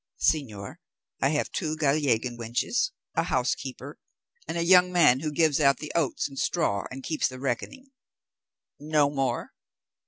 "Señor, I have two Gallegan wenches, a housekeeper, and a young man who gives out the oats and straw, and keeps the reckoning." "No more?"